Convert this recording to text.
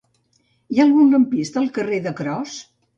Hi ha algun lampista al carrer de Cros?